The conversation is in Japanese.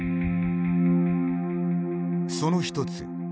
その１つ。